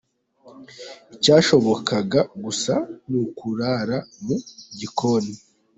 Icyashobokaga gusa ni ukurara mu gikoni.